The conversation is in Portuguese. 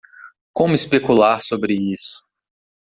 Como especular sobre isso?